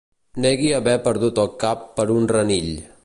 Negui haver perdut el cap per un renill.